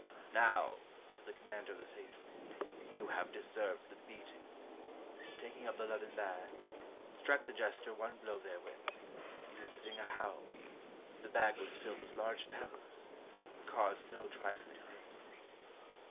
''Now," said the Commander of the Faithful, "you have deserved the beating"; and taking up the leathern bag, struck the jester one blow therewith, eliciting a howl, for the bag was filled with large pebbles, and caused no trifling pain.